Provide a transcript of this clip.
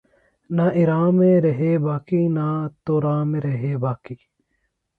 نہ ایراں میں رہے باقی نہ توراں میں رہے باقی